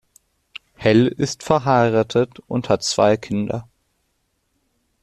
Hell ist verheiratet und hat zwei Kinder.